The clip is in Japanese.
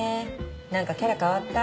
何かキャラ変わった？